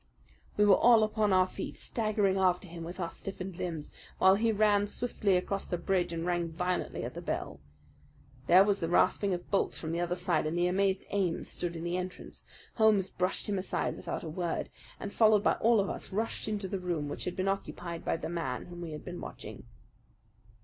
We were all upon our feet, staggering after him with our stiffened limbs, while he ran swiftly across the bridge and rang violently at the bell. There was the rasping of bolts from the other side, and the amazed Ames stood in the entrance. Holmes brushed him aside without a word and, followed by all of us, rushed into the room which had been occupied by the man whom we had been watching.